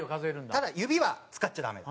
ただ指は使っちゃダメ。